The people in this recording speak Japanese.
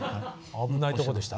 危ないとこでした。